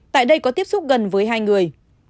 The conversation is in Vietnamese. tại đây có tiếp xúc gần với hai người